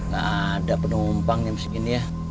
nah ada penumpang yang segini ya